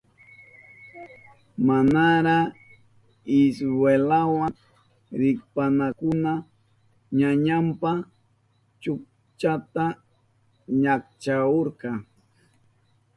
Manara iskwelama rishpankuna ñañanpa chukchanta ñakchahurka.